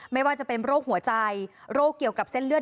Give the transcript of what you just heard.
ไม่ว่าจะเป็นโรคหัวใจโรคเกี่ยวกับเส้นเลือด